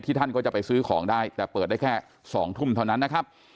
ท่านก็จะไปซื้อของได้แต่เปิดได้แค่๒ทุ่มเท่านั้นนะครับ